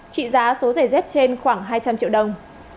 trị giá số giày dép trên khoảng hai trăm linh triệu đồng